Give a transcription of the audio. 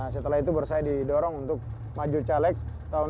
setelah itu baru saya didorong untuk maju caleg tahun dua ribu dua puluh